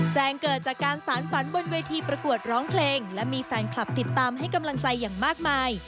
แจ้งเกิดจากการสารฝันบนเวทีประกวดร้องเพลงและมีแฟนคลับติดตามให้กำลังใจอย่างมากมาย